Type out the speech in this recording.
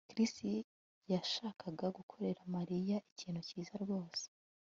Chris yashakaga gukorera Mariya ikintu cyiza rwose